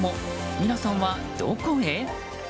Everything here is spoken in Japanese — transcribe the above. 皆さんは、どこへ？